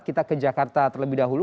kita ke jakarta terlebih dahulu